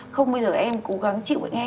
không bây giờ em cố gắng chịu bệnh hen